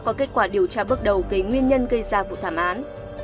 đã có kết quả điều tra bước đầu với nguyên nhân gây ra vụ thảm án